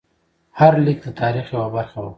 هر لیک د تاریخ یوه برخه وه.